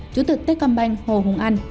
chủ tịch techcombank hồ hùng anh